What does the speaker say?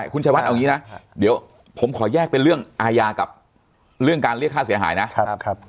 คุณชายวัดเอาอย่างนี้นะเดี๋ยวผมขอแยกเป็นเรื่องอาญากับเรื่องการเรียกค่าเสียหายนะ